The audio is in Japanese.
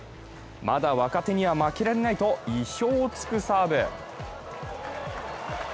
まだ若手には負けられないと意表を突くサーブ